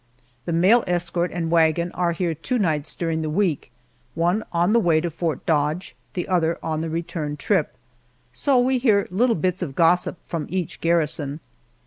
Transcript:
The mail escort and wagon are here two nights during the week, one on the way to Fort Dodge, the other on the return trip, so we hear the little bits of gossip from each garrison.